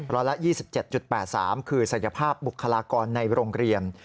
ร้อยละ๒๗๘๓คือศักยภาพบุคลากรในโรงเรียน